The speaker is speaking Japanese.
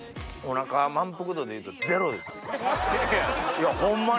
いやホンマに。